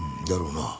だろうな。